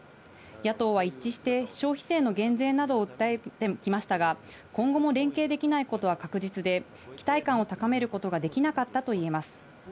野党は一致して消費税の減税などを訴えてきましたが、今後も連携できないことは確実で、期待感を高めることができなかったといえます。